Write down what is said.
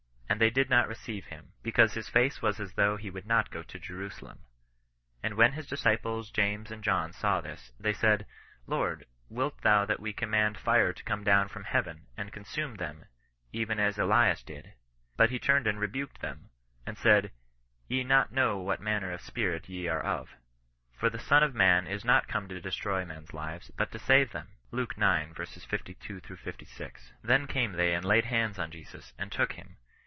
And they did not receive him, because his face was as though he would fe to Jerusalem. And when his disciples James and ohn saw this, they said,' Lord, wilt thou that we com mand fire to come down from Heaven, and consume lAiem, even as Elias did ? But he turned and rebuked them, and said, Te know not what manner of e^vdt ^^ axe ^. For the Son of man is not come V> d<&«\xo^ \si^\^^ 38 CHRISTIAN N0N EESI8TANCE. lives, but to save them." Luke ix. 52 — 56. " Then came they and laid hands on Jesus, and took him.